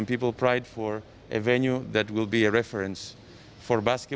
untuk venue yang akan menjadi referensi untuk bola bola